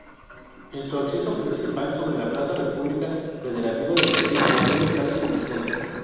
En su acceso principal sobre la Plaza República Federativa del Brasil, posee locales comerciales.